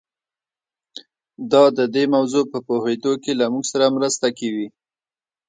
دا د دې موضوع په پوهېدو کې له موږ سره مرسته کوي.